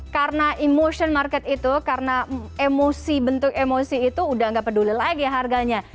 karena emosional market itu karena emosi bentuk emosi itu sudah nggak peduli lagi harganya